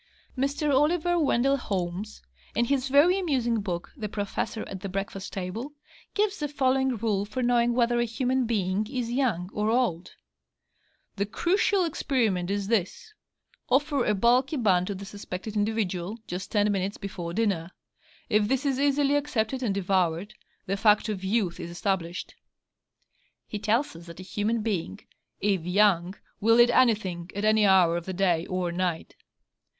Mr. Oliver Wendell Holmes, in his very amusing book, 'The Professor at the Breakfast Table,' gives the following rule for knowing whether a human being is young or old: 'The crucial experiment is this offer a bulky bun to the suspected individual just ten minutes before dinner. If this is easily accepted and devoured, the fact of youth is established.' He tells us that a human being, 'if young, will eat anything at any hour of the day or night.'